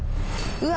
うわ。